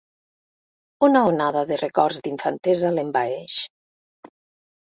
Una onada de records d'infantesa l'envaeix.